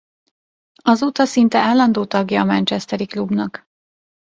Azóta szinte állandó tagja a manchesteri klubnak.